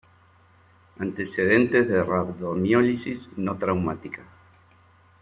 Antecedentes de rabdomiólisis no traumática.